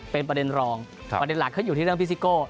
เป็นประเด็นรองประเด็นหลักเขาอยู่ที่เรื่องพี่ซิโก้